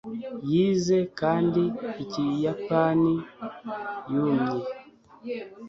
yize kandi ikiyapani? (yumye